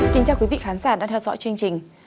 chào quý vị khán giả đã theo dõi chương trình